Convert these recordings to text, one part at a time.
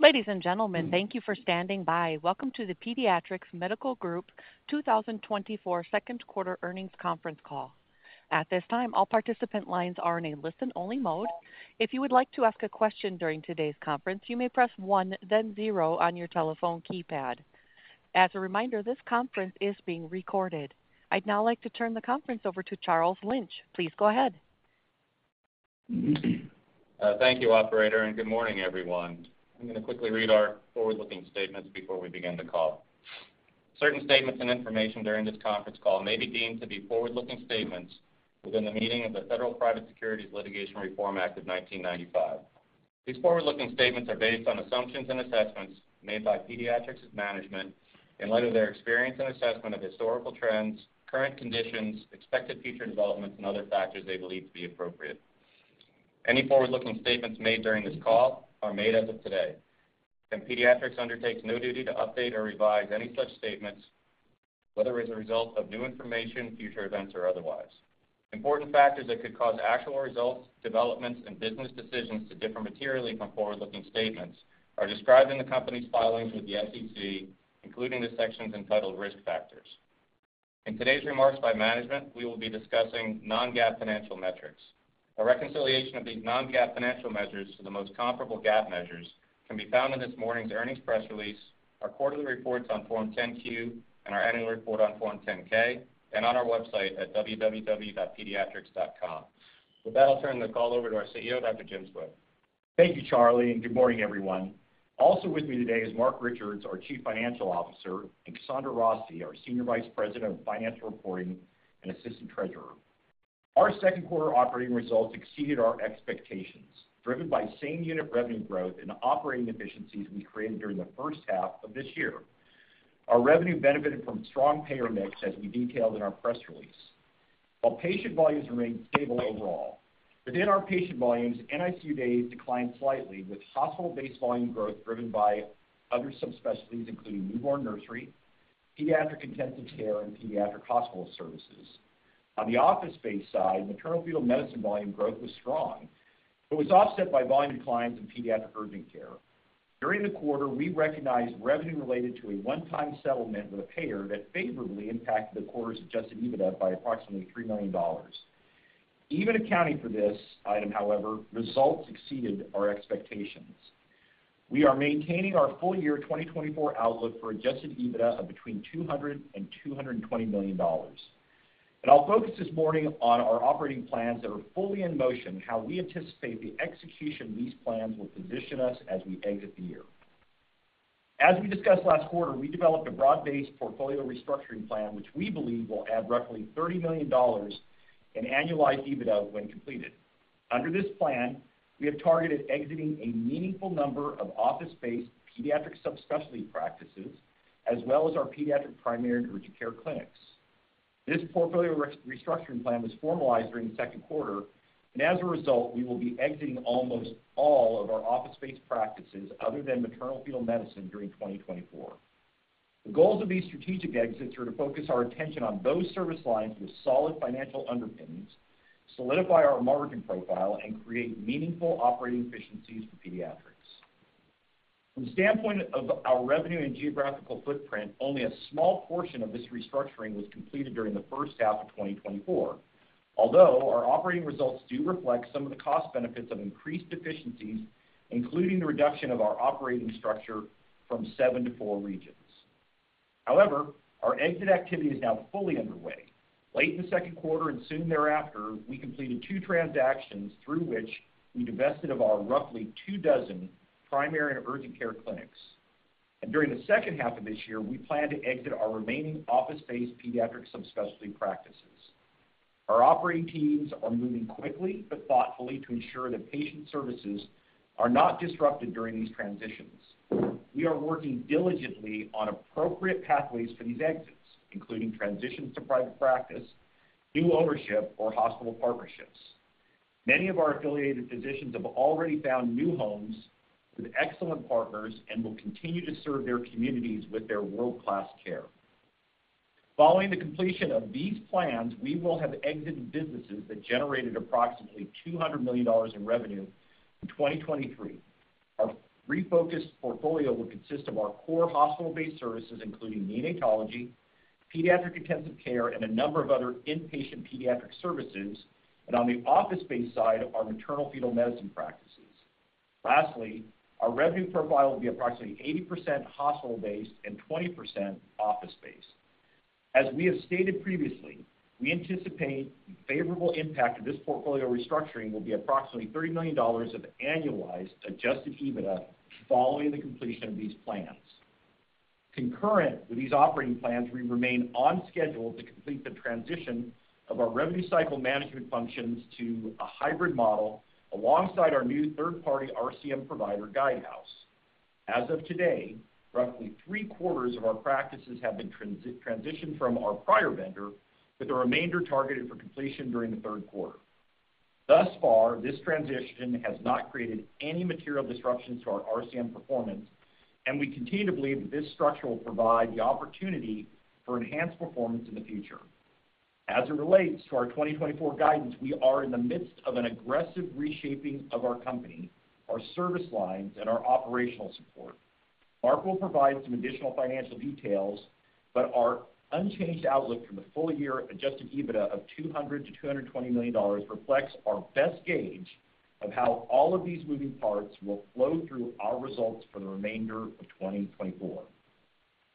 Ladies and gentlemen, thank you for standing by. Welcome to the Pediatrix Medical Group 2024 Second Quarter Earnings Conference Call. At this time, all participant lines are in a listen-only mode. If you would like to ask a question during today's conference, you may press one, then zero on your telephone keypad. As a reminder, this conference is being recorded. I'd now like to turn the conference over to Charles Lynch. Please go ahead. Thank you, operator, and good morning, everyone. I'm gonna quickly read our forward-looking statements before we begin the call. Certain statements and information during this conference call may be deemed to be forward-looking statements within the meaning of the Federal Private Securities Litigation Reform Act of 1995. These forward-looking statements are based on assumptions and assessments made by Pediatrix's management in light of their experience and assessment of historical trends, current conditions, expected future developments, and other factors they believe to be appropriate. Any forward-looking statements made during this call are made as of today, and Pediatrix undertakes no duty to update or revise any such statements, whether as a result of new information, future events, or otherwise. Important factors that could cause actual results, developments, and business decisions to differ materially from forward-looking statements are described in the company's filings with the SEC, including the sections entitled Risk Factors. In today's remarks by management, we will be discussing non-GAAP financial metrics. A reconciliation of these non-GAAP financial measures to the most comparable GAAP measures can be found in this morning's earnings press release, our quarterly reports on Form 10-Q, and our annual report on Form 10-K, and on our website at www.pediatrix.com. With that, I'll turn the call over to our CEO, Dr. Jim Swift. Thank you, Charlie, and good morning, everyone. Also with me today is Marc Richards, our Chief Financial Officer, and Kasandra Rossi, our Senior Vice President of Financial Reporting and Assistant Treasurer. Our second quarter operating results exceeded our expectations, driven by same unit revenue growth and operating efficiencies we created during the first half of this year. Our revenue benefited from strong payer mix, as we detailed in our press release. While patient volumes remained stable overall, within our patient volumes, NICU days declined slightly, with hospital-based volume growth driven by other subspecialties, including newborn nursery, pediatric intensive care, and pediatric hospital services. On the office-based side, maternal-fetal medicine volume growth was strong, but was offset by volume declines in pediatric urgent care. During the quarter, we recognized revenue related to a one-time settlement with a payer that favorably impacted the quarter's Adjusted EBITDA by approximately $3 million. Even accounting for this item, however, results exceeded our expectations. We are maintaining our full year 2024 outlook for Adjusted EBITDA of between $200 million and $220 million. But I'll focus this morning on our operating plans that are fully in motion, and how we anticipate the execution of these plans will position us as we exit the year. As we discussed last quarter, we developed a broad-based portfolio restructuring plan, which we believe will add roughly $30 million in annualized EBITDA when completed. Under this plan, we have targeted exiting a meaningful number of office-based pediatric subspecialty practices, as well as our pediatric primary and urgent care clinics. This portfolio restructuring plan was formalized during the second quarter, and as a result, we will be exiting almost all of our office-based practices, other than maternal-fetal medicine, during 2024. The goals of these strategic exits are to focus our attention on those service lines with solid financial underpinnings, solidify our margin profile, and create meaningful operating efficiencies for Pediatrix. From the standpoint of our revenue and geographical footprint, only a small portion of this restructuring was completed during the first half of 2024, although our operating results do reflect some of the cost benefits of increased efficiencies, including the reduction of our operating structure from seven to four regions. However, our exit activity is now fully underway. Late in the second quarter and soon thereafter, we completed two transactions through which we divested of our roughly 24 primary and urgent care clinics. During the second half of this year, we plan to exit our remaining office-based pediatric subspecialty practices. Our operating teams are moving quickly but thoughtfully to ensure that patient services are not disrupted during these transitions. We are working diligently on appropriate pathways for these exits, including transitions to private practice, new ownership, or hospital partnerships. Many of our affiliated physicians have already found new homes with excellent partners and will continue to serve their communities with their world-class care. Following the completion of these plans, we will have exited businesses that generated approximately $200 million in revenue in 2023. Our refocused portfolio will consist of our core hospital-based services, including neonatology, pediatric intensive care, and a number of other inpatient pediatric services, and on the office-based side, our maternal-fetal medicine practices. Lastly, our revenue profile will be approximately 80% hospital-based and 20% office-based. As we have stated previously, we anticipate the favorable impact of this portfolio restructuring will be approximately $30 million of annualized Adjusted EBITDA following the completion of these plans. Concurrent with these operating plans, we remain on schedule to complete the transition of our revenue cycle management functions to a hybrid model alongside our new third-party RCM provider, Guidehouse. As of today, roughly three-quarters of our practices have been transitioned from our prior vendor, with the remainder targeted for completion during the third quarter. Thus far, this transition has not created any material disruptions to our RCM performance, and we continue to believe that this structure will provide the opportunity for enhanced performance in the future. As it relates to our 2024 guidance, we are in the midst of an aggressive reshaping of our company, our service lines, and our operational support. Marc will provide some additional financial details, but our unchanged outlook for the full year Adjusted EBITDA of $200 million-$220 million reflects our best gauge of how all of these moving parts will flow through our results for the remainder of 2024.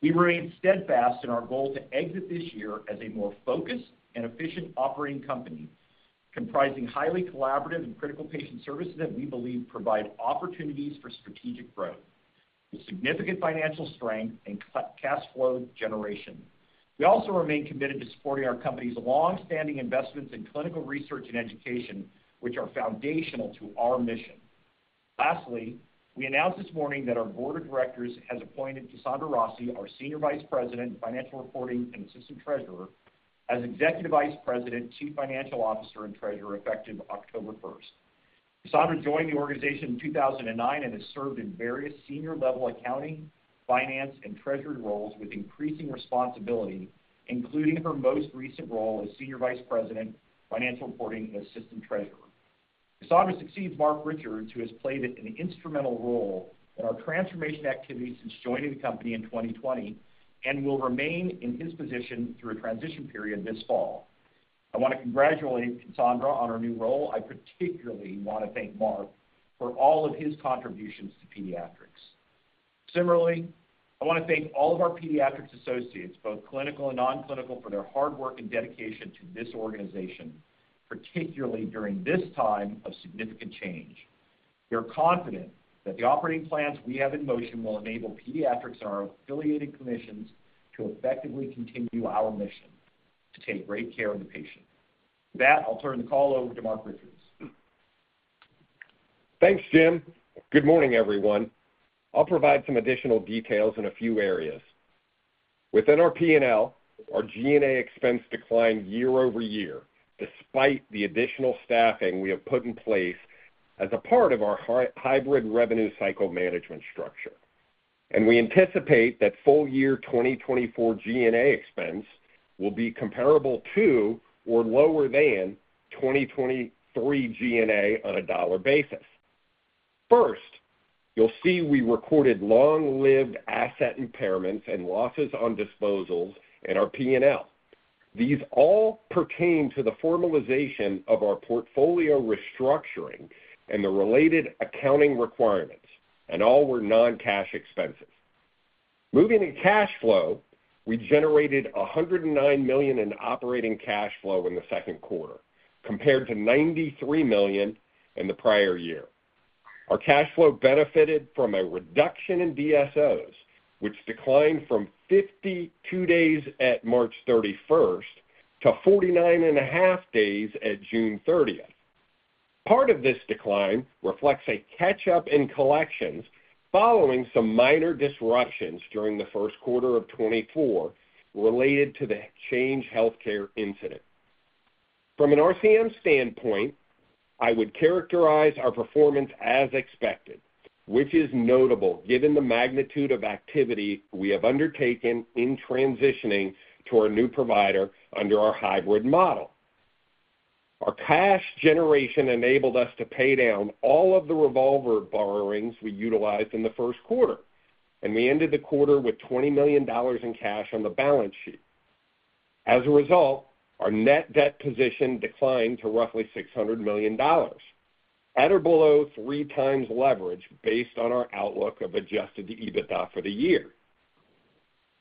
We remain steadfast in our goal to exit this year as a more focused and efficient operating company, comprising highly collaborative and critical patient services that we believe provide opportunities for strategic growth, with significant financial strength and cash flow generation. We also remain committed to supporting our company's long-standing investments in clinical research and education, which are foundational to our mission. Lastly, we announced this morning that our board of directors has appointed Kasandra Rossi, our Senior Vice President, Financial Reporting, and Assistant Treasurer, as Executive Vice President, Chief Financial Officer, and Treasurer, effective October 1st. Kasandra joined the organization in 2009 and has served in various senior-level accounting, finance, and treasury roles with increasing responsibility, including her most recent role as Senior Vice President, Financial Reporting, and Assistant Treasurer. Kasandra succeeds Marc Richards, who has played an instrumental role in our transformation activities since joining the company in 2020, and will remain in his position through a transition period this fall. I want to congratulate Kasandra on her new role. I particularly want to thank Marc for all of his contributions to Pediatrix. Similarly, I want to thank all of our Pediatrix associates, both clinical and nonclinical, for their hard work and dedication to this organization, particularly during this time of significant change. We are confident that the operating plans we have in motion will enable Pediatrix and our affiliated clinicians to effectively continue our mission: to take great care of the patient. With that, I'll turn the call over to Marc Richards. Thanks, Jim. Good morning, everyone. I'll provide some additional details in a few areas. Within our P&L, our G&A expense declined year-over-year, despite the additional staffing we have put in place as a part of our hybrid revenue cycle management structure. We anticipate that full year 2024 G&A expense will be comparable to, or lower than, 2023 G&A on a dollar basis. First, you'll see we recorded long-lived asset impairments and losses on disposals in our P&L. These all pertain to the formalization of our portfolio restructuring and the related accounting requirements, and all were non-cash expenses. Moving to cash flow, we generated $109 million in operating cash flow in the second quarter, compared to $93 million in the prior year. Our cash flow benefited from a reduction in DSOs, which declined from 52 days at March 31 to 49.5 days at June 30. Part of this decline reflects a catch-up in collections following some minor disruptions during the first quarter of 2024 related to the Change Healthcare incident. From an RCM standpoint, I would characterize our performance as expected, which is notable given the magnitude of activity we have undertaken in transitioning to our new provider under our hybrid model. Our cash generation enabled us to pay down all of the revolver borrowings we utilized in the first quarter, and we ended the quarter with $20 million in cash on the balance sheet. As a result, our net debt position declined to roughly $600 million, at or below 3x leverage based on our outlook of adjusted EBITDA for the year.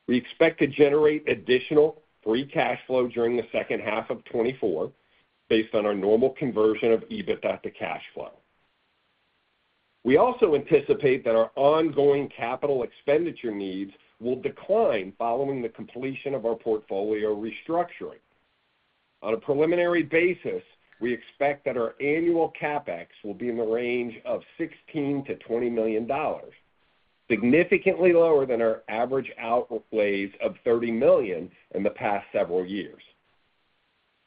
We expect to generate additional free cash flow during the second half of 2024, based on our normal conversion of EBITDA to cash flow. We also anticipate that our ongoing capital expenditure needs will decline following the completion of our portfolio restructuring. On a preliminary basis, we expect that our annual CapEx will be in the range of $16 million-$20 million, significantly lower than our average outlays of $30 million in the past several years.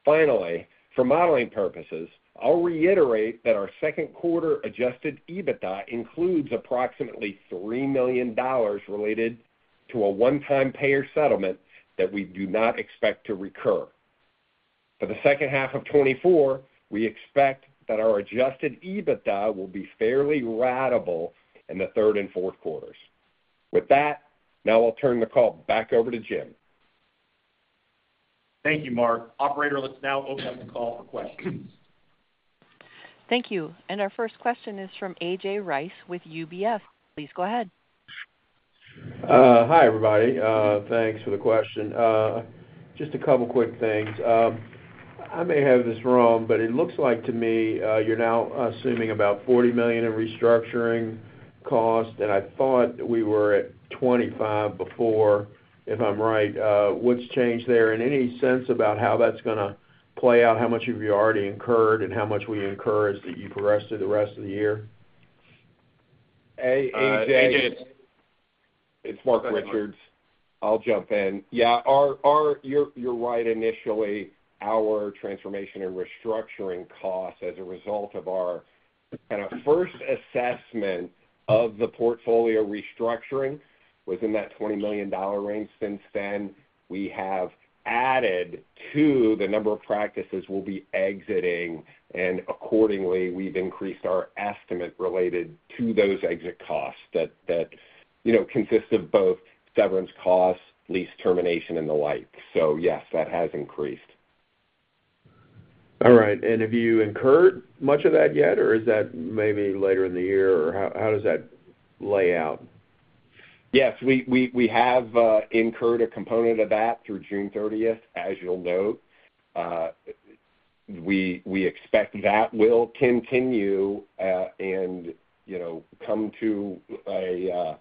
Finally, for modeling purposes, I'll reiterate that our second quarter adjusted EBITDA includes approximately $3 million related to a one-time payer settlement that we do not expect to recur. For the second half of 2024, we expect that our adjusted EBITDA will be fairly ratable in the third and fourth quarters. With that, now I'll turn the call back over to Jim. Thank you, Marc. Operator, let's now open up the call for questions. Thank you. Our first question is from A.J. Rice with UBS. Please go ahead. Hi, everybody. Thanks for the question. Just a couple quick things. I may have this wrong, but it looks like to me, you're now assuming about $40 million in restructuring costs, and I thought we were at $25 million before, if I'm right. What's changed there? And any sense about how that's gonna play out, how much have you already incurred and how much will you incur as you progress through the rest of the year? A.J., it's Marc Richards. I'll jump in. Yeah, you're right. Initially, our transformation and restructuring costs as a result of our kind of first assessment of the portfolio restructuring was in that $20 million range. Since then, we have added to the number of practices we'll be exiting, and accordingly, we've increased our estimate related to those exit costs that you know consists of both severance costs, lease termination, and the like. So yes, that has increased. All right. Have you incurred much of that yet, or is that maybe later in the year, or how, how does that lay out? Yes, we have incurred a component of that through June thirtieth, as you'll note. We expect that will continue, and, you know, come to a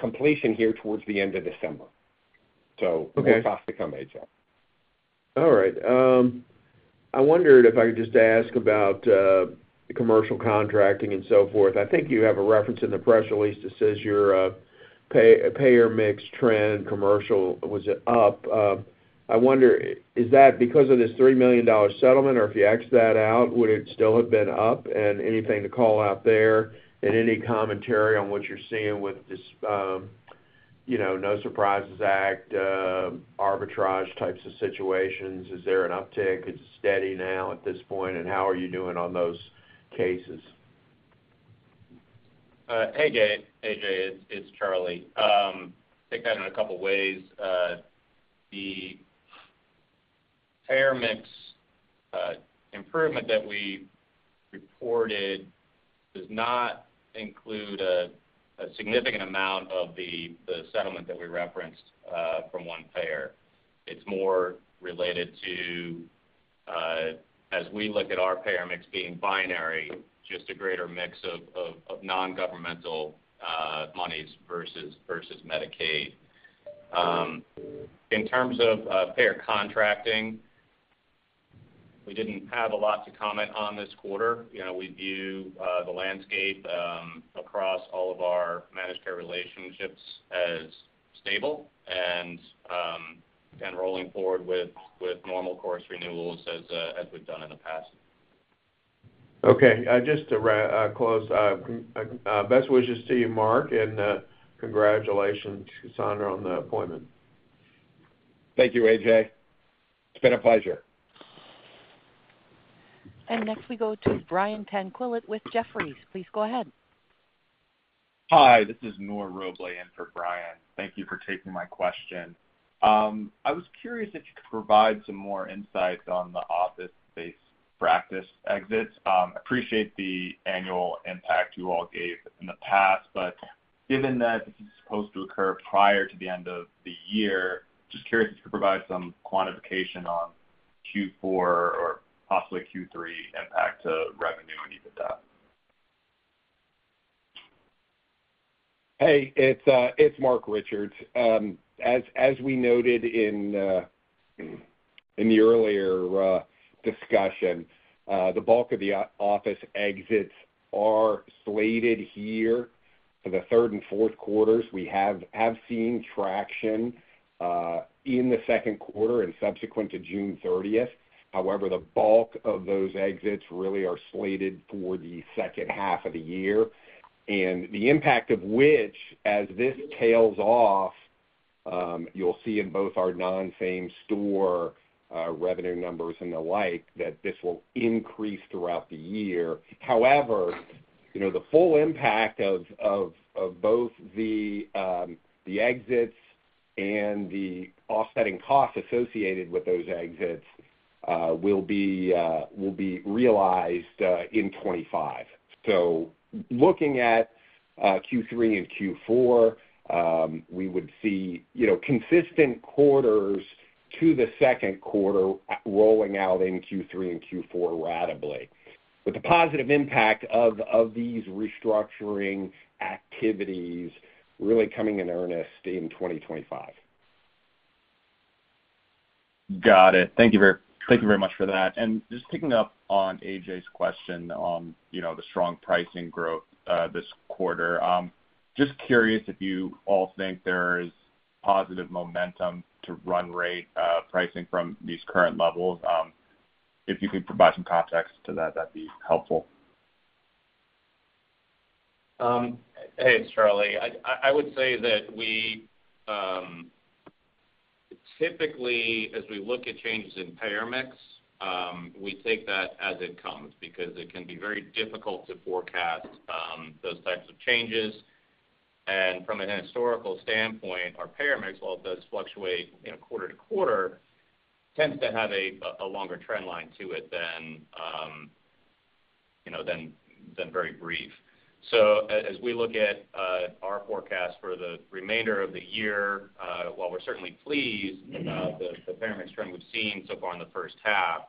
completion here towards the end of December. So- Okay. More costs to come, A.J. All right. I wondered if I could just ask about, commercial contracting and so forth. I think you have a reference in the press release that says your, payer mix trend commercial, was it up? I wonder, is that because of this $3 million settlement, or if you exit that out, would it still have been up? And anything to call out there, and any commentary on what you're seeing with this, you know, No Surprises Act, arbitrage types of situations? Is there an uptick? It's steady now at this point, and how are you doing on those cases? Hey, A.J., it's Charlie. Take that in a couple of ways. The payer mix improvement that we reported does not include a significant amount of the settlement that we referenced from one payer. It's more related to as we look at our payer mix being binary, just a greater mix of non-governmental monies versus Medicaid. In terms of payer contracting, we didn't have a lot to comment on this quarter. You know, we view the landscape across all of our managed care relationships as stable and rolling forward with normal course renewals as we've done in the past. Okay. Just to close, best wishes to you, Marc, and congratulations to Kasandra on the appointment. Thank you, A.J. It's been a pleasure. Next, we go to Brian Tanquilit with Jefferies. Please go ahead. Hi, this is Noor Roble in for Brian. Thank you for taking my question. I was curious if you could provide some more insights on the office-based practice exits. Appreciate the annual impact you all gave in the past, but given that this is supposed to occur prior to the end of the year, just curious if you could provide some quantification on Q4 or possibly Q3 impact to revenue and EBITDA. Hey, it's Marc Richards. As we noted in the earlier discussion, the bulk of the office exits are slated here for the third and fourth quarters. We have seen traction in the second quarter and subsequent to June thirtieth. However, the bulk of those exits really are slated for the second half of the year. And the impact of which, as this tails off, you'll see in both our non-same store revenue numbers and the like, that this will increase throughout the year. However, you know, the full impact of both the exits and the offsetting costs associated with those exits will be realized in 2025. So looking at Q3 and Q4, we would see, you know, consistent quarters to the second quarter rolling out in Q3 and Q4 ratably. But the positive impact of, of these restructuring activities really coming in earnest in 2025. Got it. Thank you very, thank you very much for that. Just picking up on A.J.'s question on, you know, the strong pricing growth this quarter. Just curious if you all think there's positive momentum to run rate pricing from these current levels. If you could provide some context to that, that'd be helpful. Hey, it's Charlie. I would say that we typically, as we look at changes in payer mix, we take that as it comes because it can be very difficult to forecast those types of changes. And from a historical standpoint, our payer mix, while it does fluctuate, you know, quarter to quarter, tends to have a longer trend line to it than, you know, than very brief. So as we look at our forecast for the remainder of the year, while we're certainly pleased about the payer mix trend we've seen so far in the first half,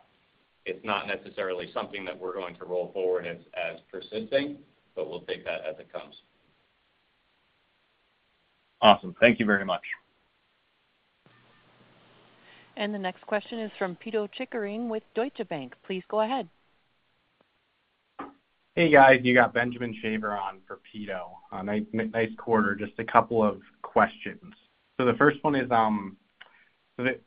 it's not necessarily something that we're going to roll forward as persisting, but we'll take that as it comes. Awesome. Thank you very much. The next question is from Pito Chickering with Deutsche Bank. Please go ahead.... Hey, guys, you got Benjamin Shaver on for Pito. Nice quarter. Just a couple of questions. So the first one is, so the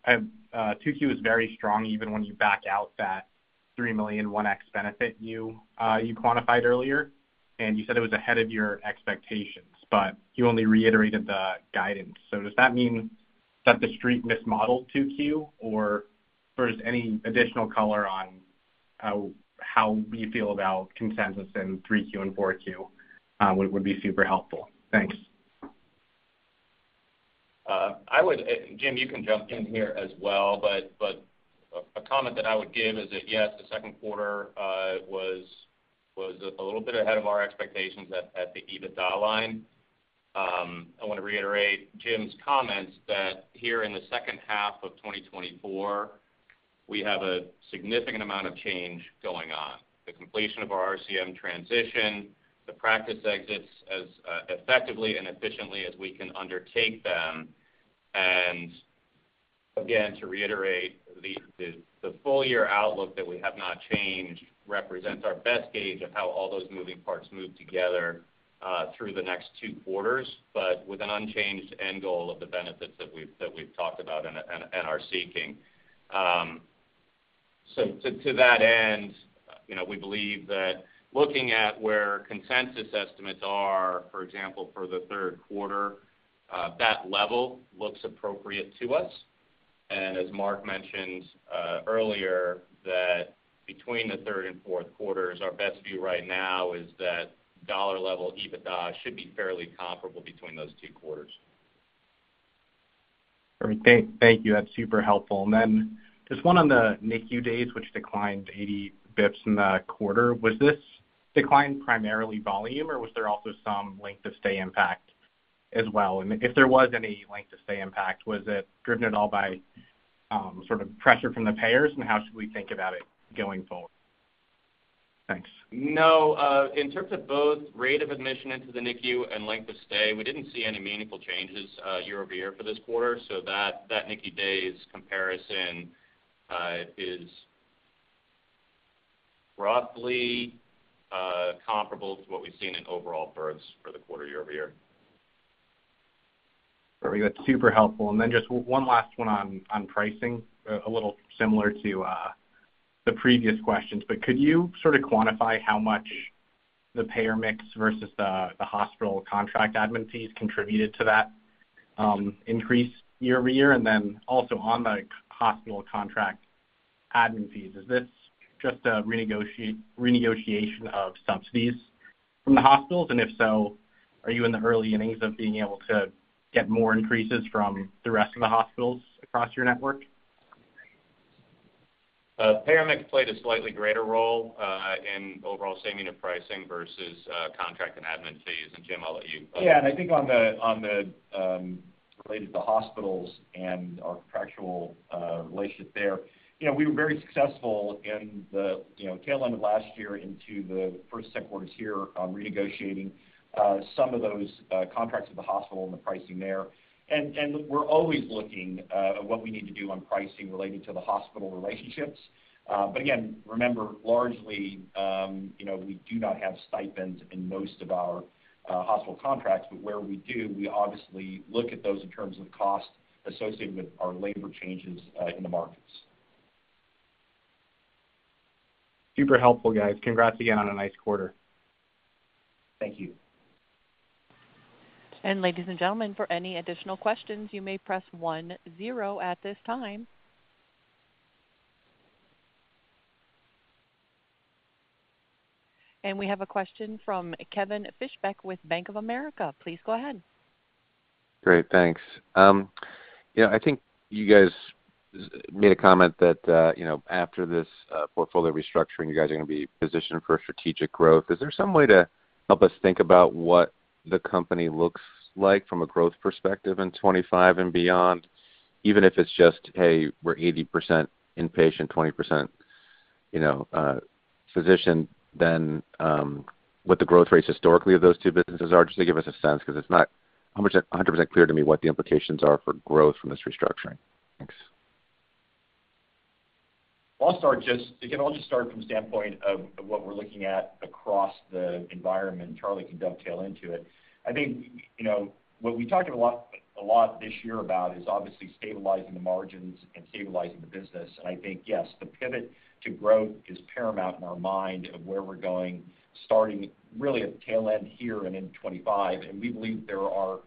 2Q is very strong, even when you back out that $3 million one-time benefit you quantified earlier, and you said it was ahead of your expectations, but you only reiterated the guidance. So does that mean that the Street mismodeled 2Q, or sort of any additional color on how we feel about consensus in 3Q and 4Q would be super helpful. Thanks. I would, Jim, you can jump in here as well, but a comment that I would give is that, yes, the second quarter was a little bit ahead of our expectations at the EBITDA line. I wanna reiterate Jim's comments that here in the second half of 2024, we have a significant amount of change going on. The completion of our RCM transition, the practice exits as effectively and efficiently as we can undertake them. And again, to reiterate, the full year outlook that we have not changed represents our best gauge of how all those moving parts move together through the next two quarters, but with an unchanged end goal of the benefits that we've talked about and are seeking. So to that end, you know, we believe that looking at where consensus estimates are, for example, for the third quarter, that level looks appropriate to us. And as Marc mentioned earlier, that between the third and fourth quarters, our best view right now is that dollar level EBITDA should be fairly comparable between those two quarters. All right. Thank you. That's super helpful. And then just one on the NICU days, which declined 80 basis points in the quarter. Was this decline primarily volume, or was there also some length of stay impact as well? And if there was any length of stay impact, was it driven at all by sort of pressure from the payers? And how should we think about it going forward? Thanks. No, in terms of both rate of admission into the NICU and length of stay, we didn't see any meaningful changes, year-over-year for this quarter, so that NICU days comparison is roughly comparable to what we've seen in overall births for the quarter year-over-year. All right. That's super helpful. And then just one last one on pricing, a little similar to the previous questions, but could you sort of quantify how much the payer mix versus the hospital contract admin fees contributed to that increase year-over-year? And then also on the hospital contract admin fees, is this just a renegotiation of subsidies from the hospitals? And if so, are you in the early innings of being able to get more increases from the rest of the hospitals across your network? Payer mix played a slightly greater role in overall same unit pricing versus contract and admin fees. And Jim, I'll let you- Yeah, and I think on the related to hospitals and our contractual relationship there, you know, we were very successful in the, you know, tail end of last year into the first, second quarter this year on renegotiating some of those contracts with the hospital and the pricing there. And we're always looking at what we need to do on pricing related to the hospital relationships. But again, remember, largely, you know, we do not have stipends in most of our hospital contracts, but where we do, we obviously look at those in terms of cost associated with our labor changes in the markets. Super helpful, guys. Congrats again on a nice quarter. Thank you. Ladies and gentlemen, for any additional questions, you may press one zero at this time. We have a question from Kevin Fischbeck with Bank of America. Please go ahead. Great, thanks. You know, I think you guys made a comment that, you know, after this, portfolio restructuring, you guys are gonna be positioned for strategic growth. Is there some way to help us think about what the company looks like from a growth perspective in 25 and beyond? Even if it's just, "Hey, we're 80% inpatient, 20%, you know, physician," then, what the growth rates historically of those two businesses are, just to give us a sense, because it's not a 100% clear to me what the implications are for growth from this restructuring. Thanks. I'll start just again, I'll just start from the standpoint of what we're looking at across the environment, and Charlie can dovetail into it. I think, you know, what we talked a lot, a lot this year about is obviously stabilizing the margins and stabilizing the business. And I think, yes, the pivot to growth is paramount in our mind of where we're going, starting really at the tail end here and in 25. And we believe there are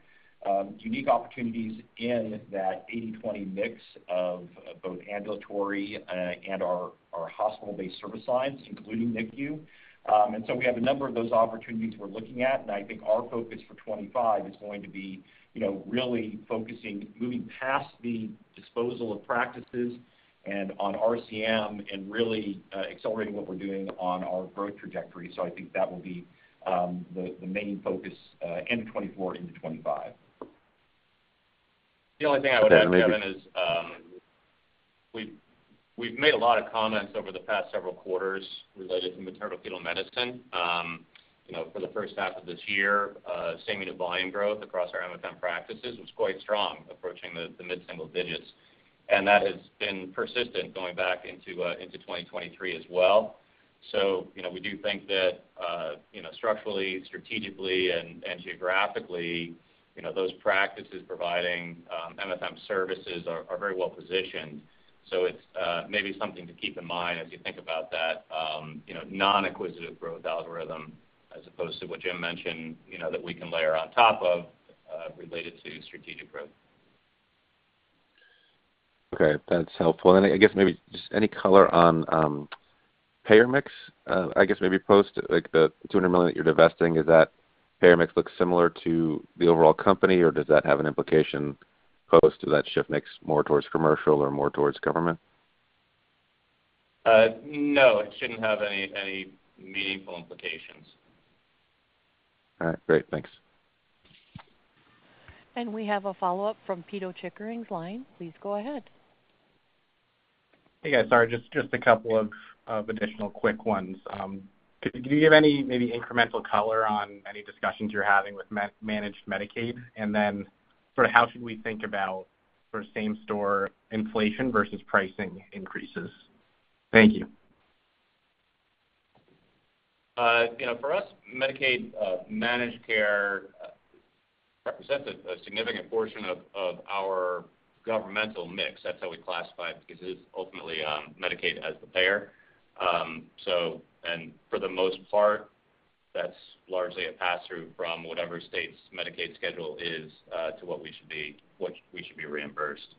unique opportunities in that 80/20 mix of both ambulatory and our hospital-based service lines, including NICU. And so we have a number of those opportunities we're looking at, and I think our focus for 25 is going to be, you know, really focusing, moving past the disposal of practices and on RCM and really accelerating what we're doing on our growth trajectory. So I think that will be the main focus, end of 2024 into 2025. The only thing I would add, Kevin, is, we've, we've made a lot of comments over the past several quarters related to maternal-fetal medicine, you know, for the first half of this year, same-unit volume growth across our MFM practices was quite strong, approaching the mid-single digits, and that has been persistent going back into 2023 as well. So, you know, we do think that, you know, structurally, strategically, and geographically, you know, those practices providing MFM services are very well positioned. So it's maybe something to keep in mind as you think about that, you know, non-acquisitive growth algorithm as opposed to what Jim mentioned, you know, that we can layer on top of related to strategic growth. Okay, that's helpful. I guess maybe just any color on payer mix. I guess maybe post, like, the $200 million that you're divesting, is that payer mix looks similar to the overall company, or does that have an implication post? Does that shift mix more towards commercial or more towards government? No, it shouldn't have any meaningful implications. All right, great. Thanks. We have a follow-up from Pito Chickering's line. Please go ahead. Hey, guys. Sorry, just a couple of additional quick ones. Could you give any maybe incremental color on any discussions you're having with managed Medicaid? And then sort of how should we think about sort of same-store inflation versus pricing increases? Thank you. You know, for us, Medicaid managed care represents a significant portion of our governmental mix. That's how we classify it, because it is ultimately Medicaid as the payer. So, and for the most part, that's largely a pass-through from whatever state's Medicaid schedule is to what we should be reimbursed.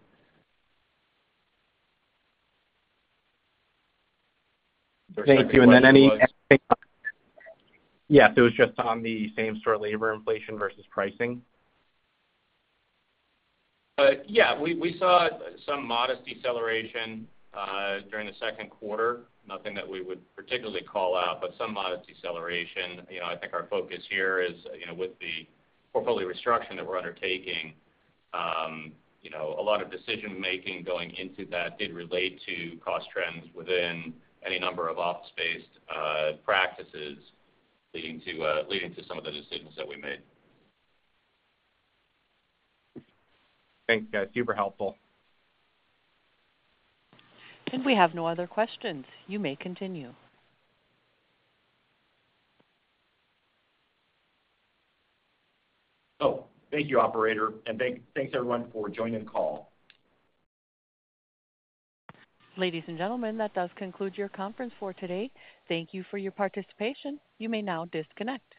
Thank you. And then any... Yes, it was just on the same-store labor inflation versus pricing. Yeah, we saw some modest deceleration during the second quarter. Nothing that we would particularly call out, but some modest deceleration. You know, I think our focus here is, you know, with the portfolio restructure that we're undertaking, a lot of decision-making going into that did relate to cost trends within any number of office-based practices leading to some of the decisions that we made. Thanks, guys. Super helpful. We have no other questions. You may continue. Oh, thank you, operator, and thanks, everyone, for joining the call. Ladies and gentlemen, that does conclude your conference for today. Thank you for your participation. You may now disconnect.